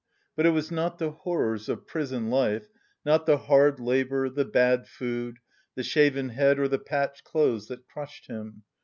But it was not the horrors of prison life, not the hard labour, the bad food, the shaven head, or the patched clothes that crushed him.